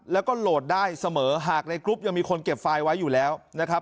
แล้วก็โหลดได้เสมอหากในกรุ๊ปยังมีคนเก็บไฟล์ไว้อยู่แล้วนะครับ